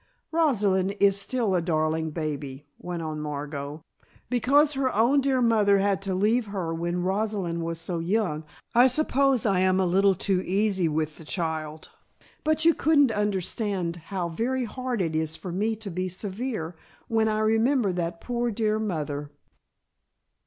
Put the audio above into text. "Rosalind is still a darling baby," went on Margot. "Because her own dear mother had to leave her when Rosalind was so young, I suppose I am a little too easy with the child, but you couldn't understand how very hard it is for me to be severe when I remember that poor dear mother."